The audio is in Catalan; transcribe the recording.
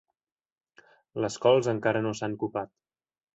Les cols encara no s'han copat.